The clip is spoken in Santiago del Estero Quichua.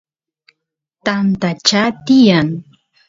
tanta chaa tiyan